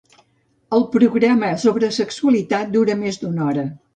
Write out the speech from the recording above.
El programa sobre sexualitat dura més d'una hora.